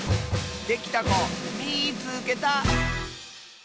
できたこみいつけた！